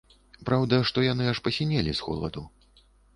Праўда, што яны аж пасінелі з холаду.